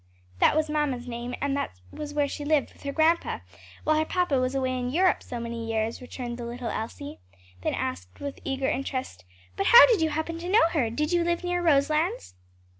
"That was mamma's name and that was where she lived; with her grandpa, while her papa was away in Europe so many years," returned the little Elsie; then asked with eager interest, "But how did you happen to know her? did you live near Roselands?"